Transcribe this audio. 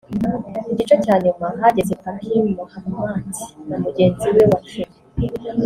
Ku gice cya nyuma hageze Faki Mahamat na mugenzi we wa Kenya